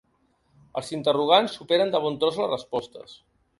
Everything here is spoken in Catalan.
Els interrogants superen de bon tros les respostes.